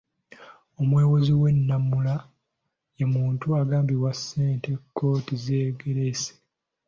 Omwewozi w'ennamula ye muntu abangibwa ssente kkooti z'egerese.